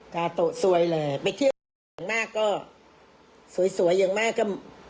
กาโต้สวยแรงไปเที่ยวเมืองขนาดสวยอย่างมากก็๕๐๐๐